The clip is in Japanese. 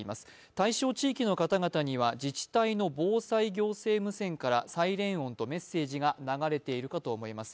対象地域の方々には自治体の防災行政無線からサイレン音とメッセージが流れているかと思います。